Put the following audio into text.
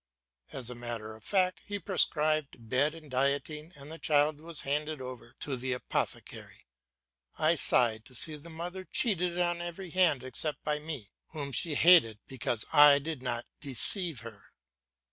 As a matter of fact he prescribed bed and dieting, and the child was handed over to the apothecary. I sighed to see the mother cheated on every hand except by me, whom she hated because I did not deceive her.